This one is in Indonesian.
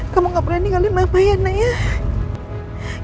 kamu gak boleh ninggalin mama ya nayah